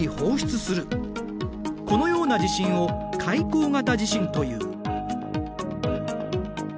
このような地震を海溝型地震という。